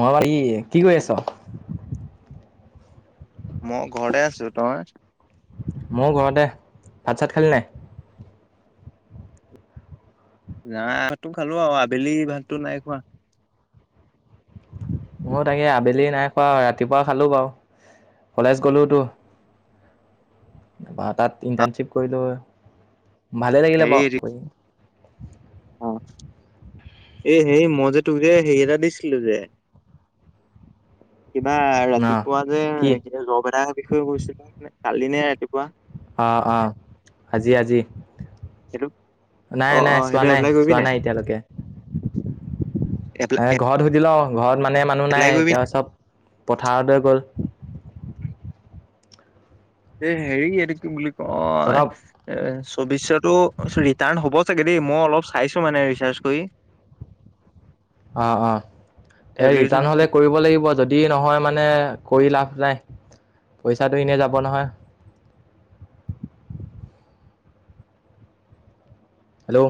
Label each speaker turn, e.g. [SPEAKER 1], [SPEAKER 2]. [SPEAKER 1] মই ই কি কৰি আছ
[SPEAKER 2] মই ঘৰতে আছো তই
[SPEAKER 1] মো ঘৰতে ভাত চাত খালিনে
[SPEAKER 2] নাই তো খালো আৰু আবেলি ভাততো নাই খোৱা
[SPEAKER 1] মইও তাকে আবেলি নাই খোৱা ৰাতিপুৱা খালো বাৰু কলেজ গলোতো তাত ইণ্টাৰ্ণশ্বিপ কৰিলো ভালে লাগিলে
[SPEAKER 2] হেৰি
[SPEAKER 1] বা কৰি
[SPEAKER 2] এ হেৰি মই যে তোকে হেৰি এটা দিছিলো যে
[SPEAKER 1] [inaudible]
[SPEAKER 2] কিবা
[SPEAKER 1] ন
[SPEAKER 2] ৰাতিপুৱা যে
[SPEAKER 1] কি?
[SPEAKER 2] জব এতাৰ বিষয়ে কৈছিলো কালি নে ৰাতিপুৱা
[SPEAKER 1] অ অ আজি আজি
[SPEAKER 2] সেইটো
[SPEAKER 1] নাই
[SPEAKER 2] অ অ
[SPEAKER 1] নাই চোৱা
[SPEAKER 2] সেইটো
[SPEAKER 1] নাই
[SPEAKER 2] এপ্লাই কৰিবি
[SPEAKER 1] চোৱা নাই এতিয়ালৈকে
[SPEAKER 2] এপ্লাই
[SPEAKER 1] এ ঘৰত সুধিলও ঘৰত মানে মানুহ নাই
[SPEAKER 2] এপ্লাই কৰিবি
[SPEAKER 1] এতিয়া চব পথাৰলৈ গ'ল
[SPEAKER 2] এ হেৰি এইটো কি বুলি
[SPEAKER 1] তহঁতৰ
[SPEAKER 2] কয় এ চৌবিচশটো ৰিটাৰ্ণ হ'ব চাগে দেই মই অলপ চাইছোঁ মানে ৰিচাৰ্জ কৰি
[SPEAKER 1] অ অ হে ৰিটাৰ্ণ
[SPEAKER 2] এপ্লিকেশ্যন
[SPEAKER 1] হলে কৰিব লাগিব যদি যদি নহয় মানে কৰি লাভ নাই পইচাটো এনেই যাব নহয় [inaudible] হেল্ল'